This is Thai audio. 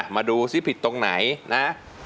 มาดูซิผิดตรงไหนนะ